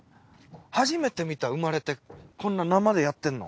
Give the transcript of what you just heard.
初めて見た生まれてこんなん生でやってんの。